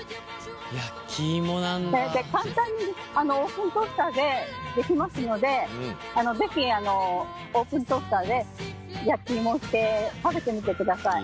簡単にオーブントースターでできますので是非オーブントースターで焼き芋をして食べてみてください。